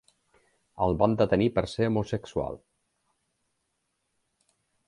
El van detenir per ser homosexual.